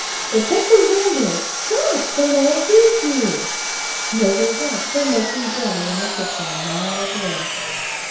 "Rebecca Randall, stop! Somebody'll hear you!" "No, they won't they're making jelly in the kitchen, miles away."